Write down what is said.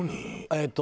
えっと